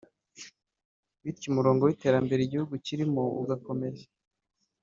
bityo umurongo w’iterambere igihugu kirimo ugakomeza